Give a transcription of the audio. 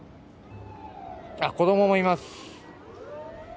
子どももいます。